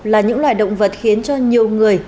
là những loài động vật khiến cho nhiều người